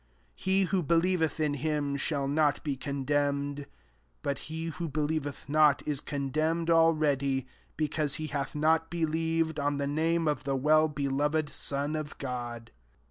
18 " He who believeth in him,^ shall not be condemned: but he who believeth not, is con ^ demned already, because he hath not believ&i on the name of the well belovedt SonofCrod.